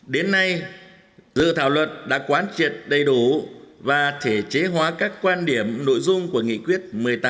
đến nay dự thảo luật đã quán triệt đầy đủ và thể chế hóa các quan điểm nội dung của nghị quyết một mươi tám